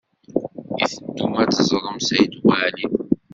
I teddum ad teẓrem Saɛid Waɛli?